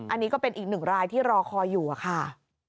อันนี้ก็เป็นอีกหนึ่งรายที่รอคอยอยู่อะค่ะ